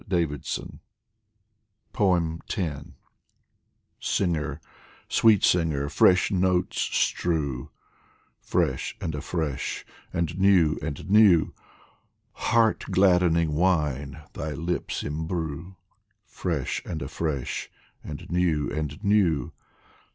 77 POEMS FROM THE SINGER, sweet Singer, fresh notes strew, Fresh and afresh and new and new ! Heart gladdening wine thy lips imbrue, Fresh and afresh and new and new